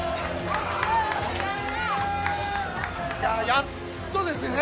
やっとですね。